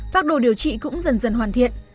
phác đồ điều trị cũng dần dần hoàn thiện